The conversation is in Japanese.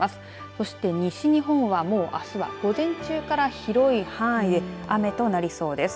そして西日本はあすは午前中から広い範囲で雨となりそうです。